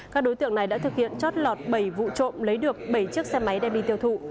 các đối tượng này đã thực hiện chót lọt bảy vụ trộm lấy được bảy chiếc xe máy đem đi tiêu thụ